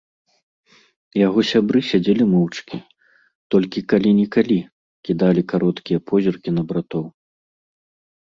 Яго сябры сядзелі моўчкі, толькі калі-нікалі кідалі кароткія позіркі на братоў.